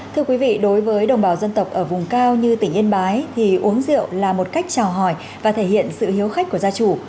thưa quý vị đối với đồng bào dân tộc ở vùng cao như tỉnh yên bái thì uống rượu là một cách trào hỏi và thể hiện sự hiếu khách của gia chủ